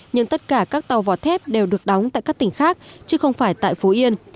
nhưng tất cả các tàu vỏ thép đều được đóng tại các tỉnh khác chứ không phải tại phú yên